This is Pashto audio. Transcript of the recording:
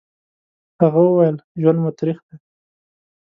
هغه وويل: ژوند مو تريخ دی.